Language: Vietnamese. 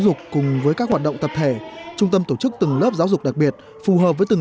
dục cùng với các hoạt động tập thể trung tâm tổ chức từng lớp giáo dục đặc biệt phù hợp với từng